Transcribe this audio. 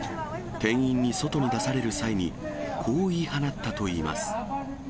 店員に外に出される際に、こう言い放ったといいます。